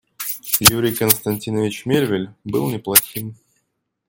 Юрий Константинович Мельвиль был неплохим.